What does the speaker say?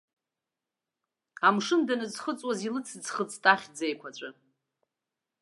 Амшын даныӡхыҵуаз, илыцыӡхыҵт ахьӡ еиқәаҵәа.